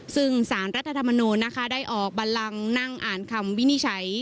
ซึ่งสารรัฐธรรมนูญนะคะได้ออกบันลังนั่งอ่านคำวินิจฉัย